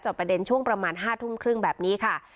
จบประเด็นช่วงประมาณ๕๓๐แบบนี้ค่ะ